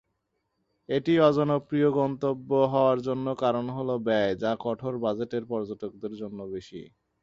এটি অজনপ্রিয় গন্তব্য হওয়ার অন্য কারণ হল ব্যয়, যা কঠোর বাজেটের পর্যটকদের জন্য বেশি।